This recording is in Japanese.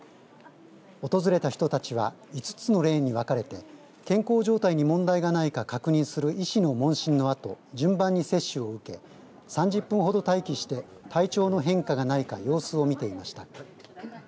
訪れた人たちは５つのレーンに分かれて健康状態に問題がないか確認する医師の問診のあと順番に接種を受け３０分ほど待機して体調の変化がないか様子を見ていました。